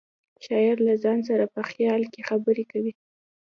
شاعر له ځان سره په خیال کې خبرې کوي